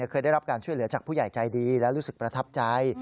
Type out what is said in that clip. เคยได้รับการช่วยเหลือจากผู้ใหญ่ใจดีและรู้สึกประทับใจ